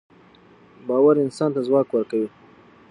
باورانسان ته ځواک ورکوي